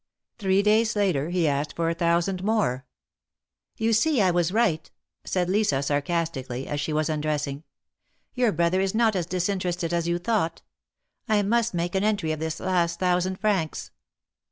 Three days later he asked for a thousand more. ^'You see I was right," said Lisa, sarcastically, as she was undressing. Your brother is not as disinterested as you thought. I must make an entry of this last thousand francs."